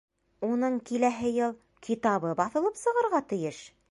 Уның киләһе йыл китабы баҫылып сығырға тейеш!